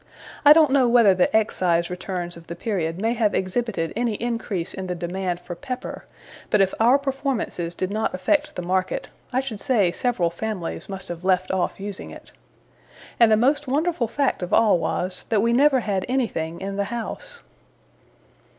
I don't know whether the Excise returns of the period may have exhibited any increase in the demand for pepper; but if our performances did not affect the market, I should say several families must have left off using it. And the most wonderful fact of all was, that we never had anything in the house.